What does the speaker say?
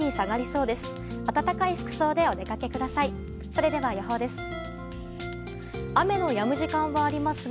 それでは予報です。